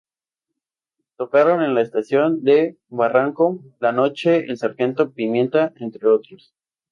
Tocaron en La Estación de Barranco, La Noche, El Sargento Pimienta, entre otros.